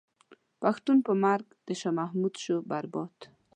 پښتون په مرګ د شاه محمود شو برباد.